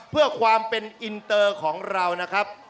เพื่อความเป็นอินเตอร์ของเรานะครับ